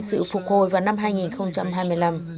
sự phục hồi vào năm hai nghìn hai mươi năm